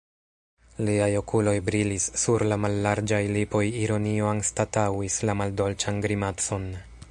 Liaj okuloj brilis, sur la mallarĝaj lipoj ironio anstataŭis la maldolĉan grimacon.